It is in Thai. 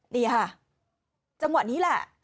นี่ค่ะจังหวะนี้แหละ